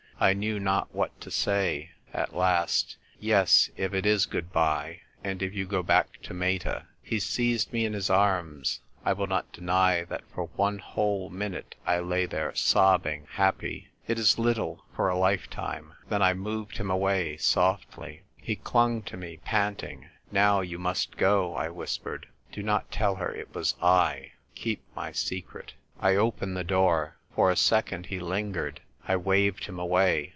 I knew not what to say. At last —" Yes, if it is good bye, and if you go back to Mcta." He seized me in his arms. 1 will not deny that for one whole minute I lay there sobbing, happy. It is little, for a lifetime. Then I moved him away softly. He clung to me, panting. "Now you must go," I whispered. ' Do not tell her it was /. Keep my secret!" I opened the door. For a second he lin gered. I waved him away.